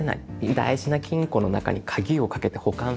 大事な金庫の中に鍵をかけて保管する。